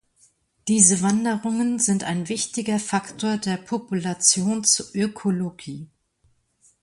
Diese Wanderungen sind ein wichtiger Faktor der Populationsökologie.